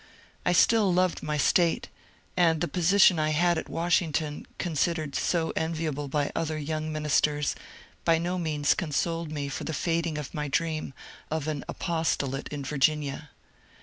I still loved my State, and the position I had at Washing ton, considered so enviable by other young ministers, by no means consoled me for the fading of my dream of an aposto late in Virginia.